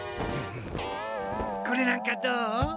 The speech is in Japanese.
これなんかどう？